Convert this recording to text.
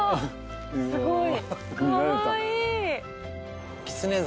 すごい！